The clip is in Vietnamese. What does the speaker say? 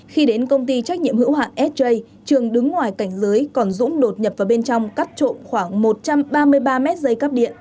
khi đến công ty trách nhiệm hữu hạn sj trường đứng ngoài cảnh giới còn dũng đột nhập vào bên trong cắt trộm khoảng một trăm ba mươi ba mét dây cắp điện